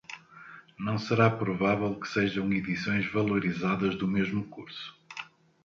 Não será provável que sejam edições valorizadas do mesmo curso.